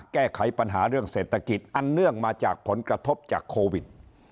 แก้ไขปัญหาเรื่องเศรษฐกิจอันเนื่องมาจากผลกระทบจากโควิด